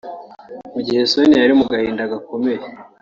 Mu gihe Sonia ari mu gahinda gakomeye